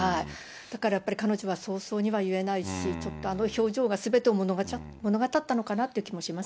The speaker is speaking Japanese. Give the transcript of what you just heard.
だからやっぱり、彼女は早々には言えないし、ちょっとあの表情がすべてを物語ったのかなっていう気もしますね。